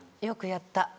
よくやった。